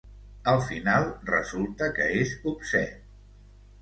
Al final resulta que és obscè.